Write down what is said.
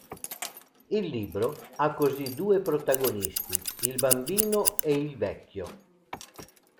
Il libro ha così due protagonisti, il bambino e il vecchio.